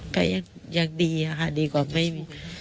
ก็ยังดีอะค่ะดีกว่าไม่มี